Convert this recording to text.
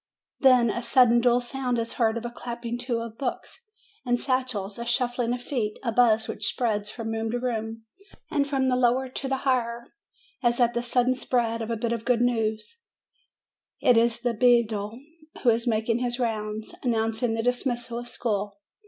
Then a sudden dull sound is heard, a clapping to of books and satchels, a shuffling of feet, a buzz which spreads from room to room, and from the lower to the higher, as at the sudden spread of a bit of good news : it is the beadle, who is making his rounds, announcing the dismissal of school.